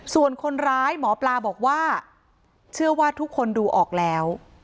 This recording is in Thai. ส่วนคนร้ายหมอปลาบอกว่าเชื่อว่าทุกคนดูออกแล้ว